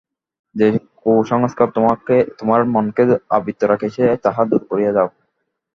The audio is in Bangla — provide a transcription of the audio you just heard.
যে কুসংস্কার তোমার মনকে আবৃত রাখিয়াছে, তাহা দূর করিয়া দাও।